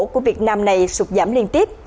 của việt nam này sụt giảm liên tiếp